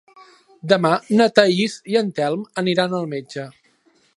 Demà na Thaís i en Telm aniran al metge.